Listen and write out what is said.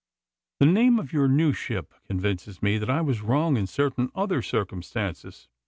The name of your new ship convinces me that I was wrong in certain other circumstances.